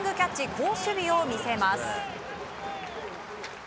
好守備を見せます。